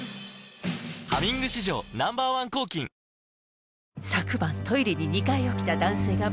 「ハミング」史上Ｎｏ．１抗菌お？